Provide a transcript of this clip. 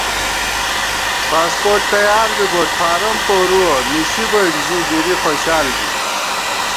پاسپوٹ تیار بِبوئیت فارم پورُوَہ، نِشی بوئیک ژی گِری خوشال بی